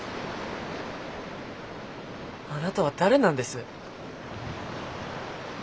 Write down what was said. あなたは誰なんです？